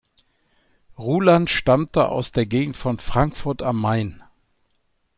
Ruland stammte aus der Gegend von Frankfurt am Main.